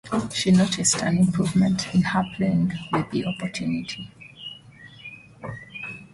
She noticed an improvement in her playing with the opportunity.